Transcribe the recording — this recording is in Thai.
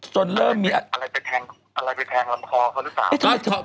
จนเริ่มมีอะไรไปแท้งลำคอเขาหรือเปล่า